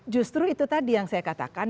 justru itu tadi yang saya katakan